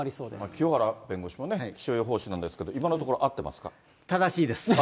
清原弁護士も、気象予報士なんですけれども、今のところ、正しいです。